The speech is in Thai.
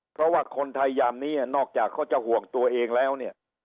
เพราะว่าคนไทยยามนี้นอกจากเขาจะห่วงตัวเองแล้วเนี่ย